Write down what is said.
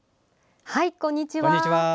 こんにちは。